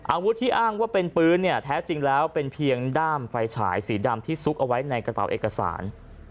อาวุธที่อ้างว่าเป็นปืนเนี่ยแท้จริงแล้วเป็นเพียงด้ามไฟฉายสีดำที่ซุกเอาไว้ในกระเป๋าเอกสาร